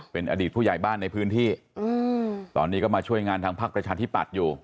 เป็นอดีตผู้ใหญ่บ้านในพื้นที่ตอนนี้ก็มาช่วยงานทางพักประชาธิปัตย์อยู่